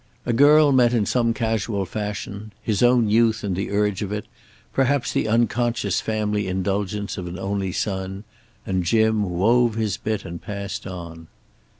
A girl met in some casual fashion; his own youth and the urge of it, perhaps the unconscious family indulgence of an only son and Jim wove his bit and passed on.